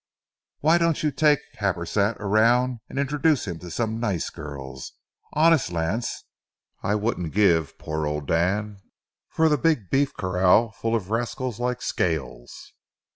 Why don't you take Happersett around and introduce him to some nice girls? Honest, Lance, I wouldn't give poor old Dan for the big beef corral full of rascals like Scales.